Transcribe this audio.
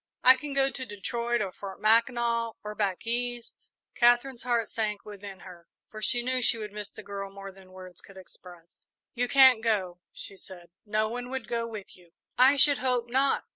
"I can go to Detroit, or Fort Mackinac, or back East." Katherine's heart sank within her, for she knew she would miss the girl more than words could express. "You can't go," she said; "no one would go with you." "I should hope not.